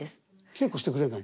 稽古してくれない？